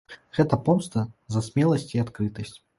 Гэта помста за смеласьць і адкрытасць.